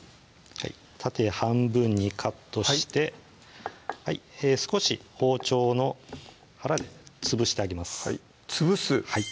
縦半分にカットして少し包丁の腹でつぶしてあげますつぶす？